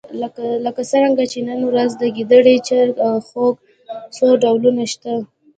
لکه څرنګه چې نن ورځ د ګېدړې، چرګ او خوګ څو ډولونه شته.